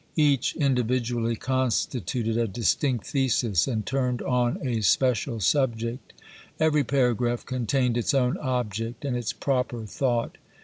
Each individually constituted a distinct thesis and turned on a special subject ; every paragraph contained its own object and its proper thought.